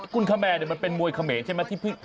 กุลคเมมันเป็นมวยเขมะใช่ไหมที่พี่